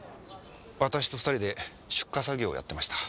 私と２人で出荷作業をやってました。